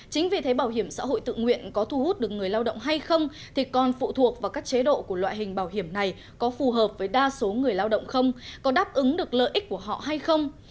chính vì thế bảo hiểm xã hội tự nguyện có thu hút được người lao động hay không thì còn phụ thuộc vào các chế độ của loại hình bảo hiểm này có phù hợp với đa số người lao động không có đáp ứng được lợi ích của họ hay không